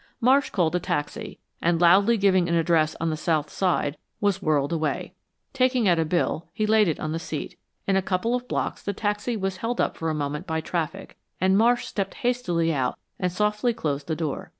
Marsh called a taxi, and loudly giving an address on the South Side, was whirled away. Taking out a bill, he laid it on the seat. In a couple of blocks the taxi was held up for a moment by traffic and Marsh stepped hastily out and softly closed the door.